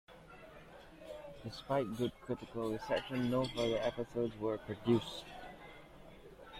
Despite good critical reception, no further episodes were produced.